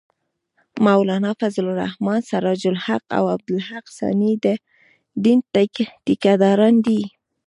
مولانا فضل الرحمن ، سراج الحق او عبدالحق ثاني د دین ټېکه داران دي